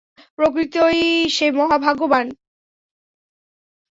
প্রকৃতই সে মহাভাগ্যবান।